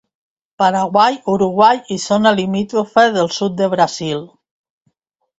Paraguai, Uruguai i zona limítrofa del sud de Brasil.